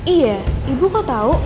iya ibu kau tahu